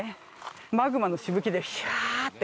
マグマのしぶきで、ひゃーって。